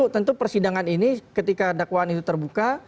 tentu persidangan ini ketika dakwaan itu terbuka